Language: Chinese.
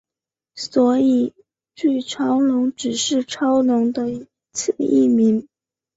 所以巨超龙只是超龙的次异名。